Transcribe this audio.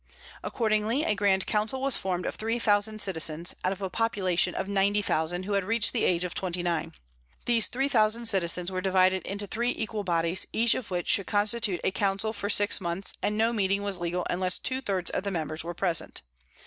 Accordingly, a grand council was formed of three thousand citizens, out of a population of ninety thousand who had reached the age of twenty nine. These three thousand citizens were divided into three equal bodies, each of which should constitute a council for six months and no meeting was legal unless two thirds of the members were present.